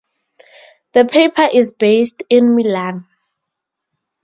The paper is based in Milan.